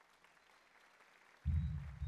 有部分物种会分泌出碳酸钙来建立栖管。